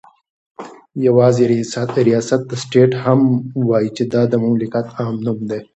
يوازي رياست ته سټيټ هم وايي چې دا دمملكت عام نوم دى